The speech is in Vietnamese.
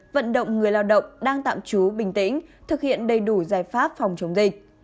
lao động đang tạm trú bình tĩnh thực hiện đầy đủ giải pháp phòng chống dịch